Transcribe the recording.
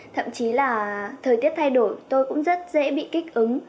thậm chí là thời tiết thay đổi tôi cũng rất dễ bị kích ứng